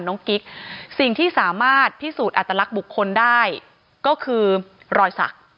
กิ๊กสิ่งที่สามารถพิสูจน์อัตลักษณ์บุคคลได้ก็คือรอยสัก